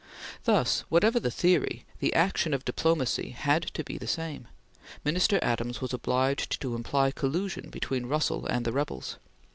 Thus, whatever the theory, the action of diplomacy had to be the same. Minister Adams was obliged to imply collusion between Russell and the rebels.